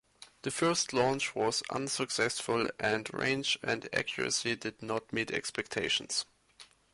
The first launch was unsuccessful and range and accuracy did not meet expectations.